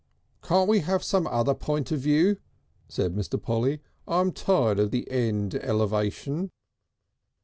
"Can't we have some other point of view?" said Mr. Polly. "I'm tired of the end elevation."